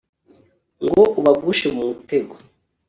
ngo ubagushe mu mutego